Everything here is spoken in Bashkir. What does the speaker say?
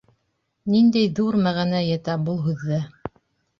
Ниндәй ҙур мәғәнә ята был һүҙҙә.